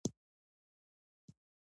وروسته یې عملي سیاست ته لاړ.